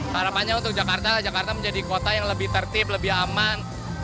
harapannya untuk jakarta jakarta menjadi kota yang lebih tertib lebih aman